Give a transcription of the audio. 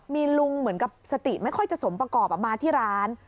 มีลุงเหมือนกับสติไม่ค่อยจะสมประกอบมาที่ร้าน